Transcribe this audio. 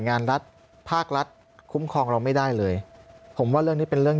งานรัฐภาครัฐคุ้มครองเราไม่ได้เลยผมว่าเรื่องนี้เป็นเรื่อง